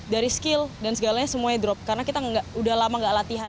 dari skill dan segalanya semuanya drop karena kita udah lama gak latihan